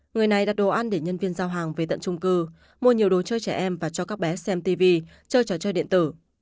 người này đặt đồ ăn để nhân viên giao hàng về tận trung cư mua nhiều đồ chơi trẻ em và cho các bé xem tv chơi trò chơi điện tử